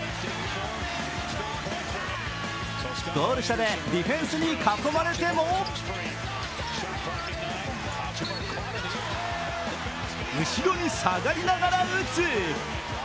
ゴール下でディフェンスの囲まれても後ろに下がりながら打つ！